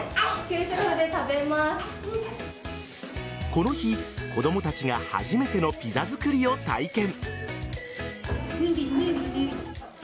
この日、子供たちが初めてのピザ作りを体験。